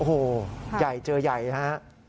โอ้โหเจอใหญ่นะฮะ